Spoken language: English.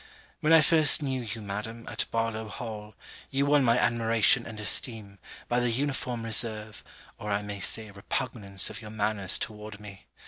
When I first knew you, Madam, at Barlowe Hall, you won my admiration and esteem, by the uniform reserve, or I may say repugnance of your manners toward me.